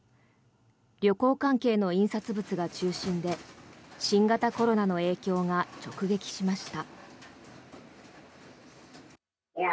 旅行関係の印刷物が中心で新型コロナの影響が直撃しました。